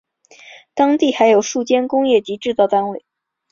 当地还有数间工业及制造单位。